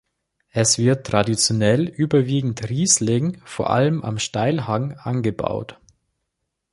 Es wird traditionell überwiegend Riesling vor allem am Steilhang angebaut.